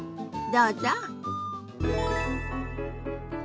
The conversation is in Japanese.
どうぞ。